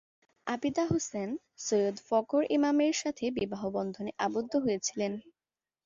আবিদা হুসেন সৈয়দ ফখর ইমামের সাথে বিবাহবন্ধনে আবদ্ধ হয়েছিলেন।